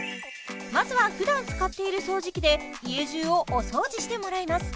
まずはふだん使っている掃除機で家じゅうをお掃除してもらいます